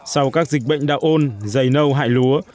sau các dịch bệnh đạo ôn dày nâu hại lúa